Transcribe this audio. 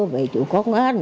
vậy chủ công an